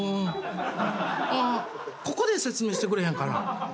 あっここで説明してくれへんかな？